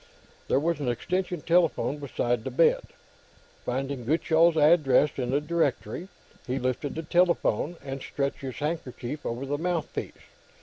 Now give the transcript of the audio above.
There was an extension telephone beside the bed. Finding Gutchall's address in the directory, he lifted the telephone, and stretched his handkerchief over the mouthpiece.